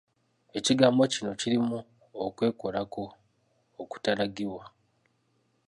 Ekigambo kino kirimu okwekolako okutaalagibwa.